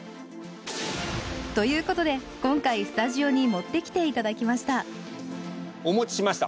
ということで今回スタジオに持ってきていただきましたお持ちしました。